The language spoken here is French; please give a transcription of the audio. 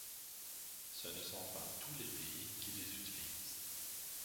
Ce ne sont pas tous les pays qui les utilisent.